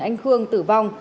anh khương tử vong